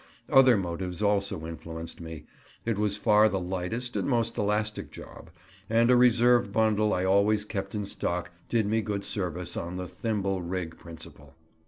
Other motives also influenced me; it was far the lightest and most elastic job, and a reserve bundle I always kept in stock did me good service on the thimble rig principle.